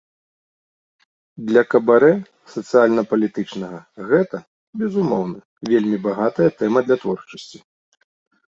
Для кабарэ сацыяльна-палітычнага гэта, безумоўна, вельмі багатая тэма для творчасці.